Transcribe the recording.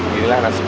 ya inilah nasib